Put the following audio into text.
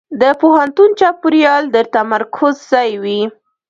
د پوهنتون چاپېریال د تمرکز ځای دی.